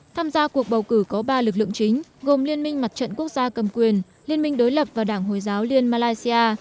tham gia cuộc bầu cử có ba lực lượng chính gồm liên minh mặt trận quốc gia cầm quyền liên minh đối lập và đảng hồi giáo liên malaysia